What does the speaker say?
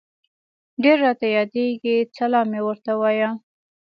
ډير راته ياديږي سلام مي ورته وايه